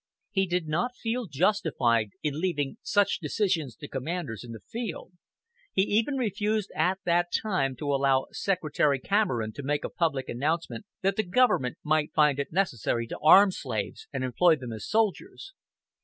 He did not feel justified in leaving such decisions to commanders in the field. He even refused at that time to allow Secretary Cameron to make a public announcement that the government might find it necessary to arm slaves and employ them as soldiers.